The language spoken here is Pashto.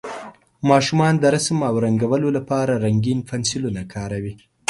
ماشومان د رسم او رنګولو لپاره رنګین پنسلونه کاروي.